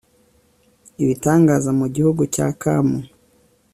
ibitangaza mu gihugu cya kamu